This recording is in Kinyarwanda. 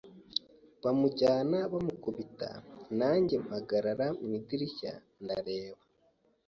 bamujyana bamukubita nanjye mpagarara mu idirishya ndareba,